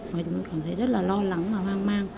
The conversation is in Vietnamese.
mà chúng cảm thấy rất là lo lắng và hoang mang